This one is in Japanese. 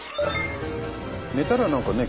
寝たら何かね